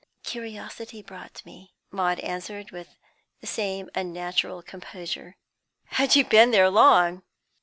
"Curiosity brought me," Maud answered, with the same unnatural composure. "Had you been there long?"